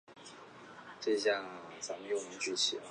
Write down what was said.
十钱纸币是曾经流通的一种日本银行券。